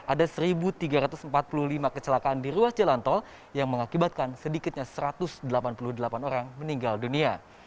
ada satu tiga ratus empat puluh lima kecelakaan di ruas jalan tol yang mengakibatkan sedikitnya satu ratus delapan puluh delapan orang meninggal dunia